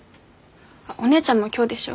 あっお姉ちゃんも今日でしょ？